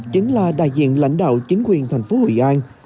chính là đại diện lãnh đạo chính quyền thành phố hội an